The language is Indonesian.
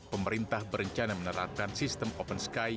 pemerintah berencana menerapkan sistem open sky